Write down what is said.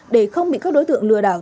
để không bị các đối tượng lừa đảo